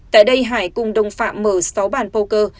tại đây hải cùng đồng phạm mở sáu bàn pô